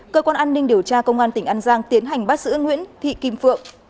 cơ quan an ninh điều tra công an tỉnh an giang tiến hành bắt giữ nguyễn thị kim phượng